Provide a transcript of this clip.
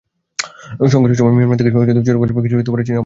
সংঘর্ষের সময় মিয়ানমার থেকে ছোড়া কিছু গোলা চীনের অভ্যন্তরে গিয়ে পড়েছে।